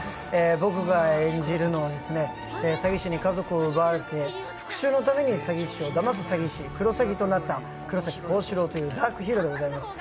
僕が演じるのは詐欺師に家族を奪われて復しゅうのために詐欺師をだます詐欺師、クロサギとなった黒崎高志郎というダークヒーローでございます。